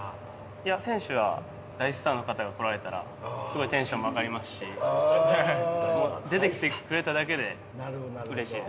いや選手は大スターの方が来られたらすごいテンションも上がりますし出てきてくれただけでうれしいです。